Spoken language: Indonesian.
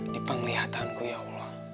di penglihatanku ya allah